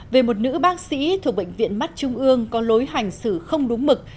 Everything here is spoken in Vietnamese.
về một nữ bác sĩ thuộc bệnh viện mắt trung ương có lối hành xử không đúng mực